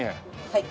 はい。